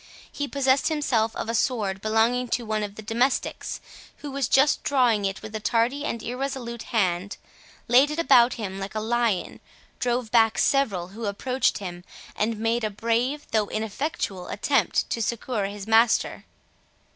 He possessed himself of a sword belonging to one of the domestics, who was just drawing it with a tardy and irresolute hand, laid it about him like a lion, drove back several who approached him, and made a brave though ineffectual attempt to succour his master.